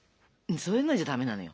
そういうのじゃダメなのよ。